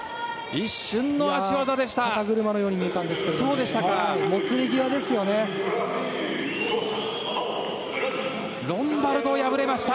一瞬の足技でした。